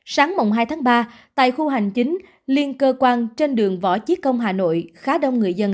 sáng mồng hai tháng ba tại khu hành chính liên cơ quan trên đường võ chí công hà nội khá đông người dân